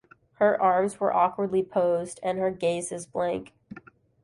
Her arms are awkwardly posed and her gaze is blank.